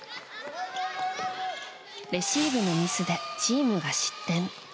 レシーブのミスでチームが失点。